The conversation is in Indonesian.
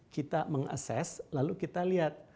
kita meng assess lalu kita lihat